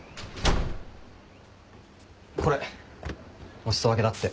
これお裾分けだって。